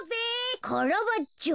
カラバッチョ。